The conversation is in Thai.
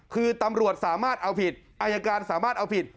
คือตำรวจสามารถเอาผิดอายการสามารถเอาผิด